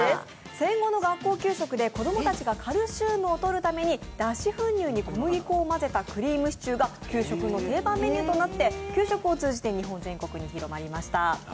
戦後の学校給食で子供たちがカルシウムをとるために脱脂粉乳に小麦粉を混ぜたクリームシチューが給食の定番メニューとなって、給食を通じて日本全国に広まりました。